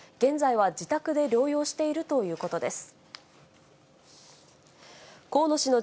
現在は自宅で療養しているということです。